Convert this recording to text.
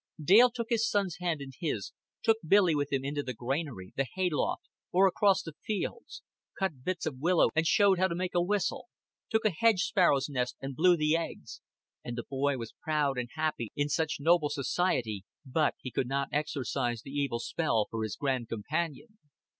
Dale took his son's hand in his, took Billy with him into the granary, the hay loft, or across the fields, cut bits of willow and showed how to make a whistle, took a hedge sparrow's nest and blew the eggs; and the boy was proud and happy in such noble society, but he could not exorcise the evil spell for his grand companion.